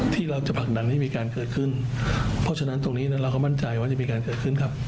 ที่เราจะผลักดันให้มีการเกิดขึ้นเพราะฉะนั้นตรงนี้นั้นเราก็มั่นใจว่าจะมีการเกิดขึ้นครับ